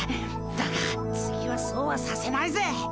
だが次はそうはさせないぜ！